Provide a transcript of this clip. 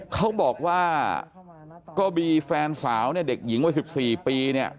เขาบอกว่าก็บีแฟนสาวเด็กหญิงวัย๑๔ปี